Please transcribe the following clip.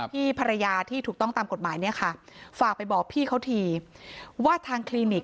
พี่ภรรยาที่ถูกต้องตามกฎหมายเนี่ยค่ะฝากไปบอกพี่เขาที